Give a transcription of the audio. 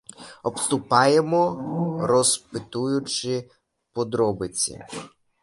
Обступаємо, розпитуючи подробиці.